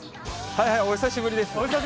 はいはい、お久しぶりです。